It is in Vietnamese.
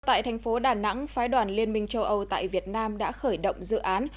tại thành phố đà nẵng phái đoàn liên minh châu âu tại việt nam đã khởi động dự án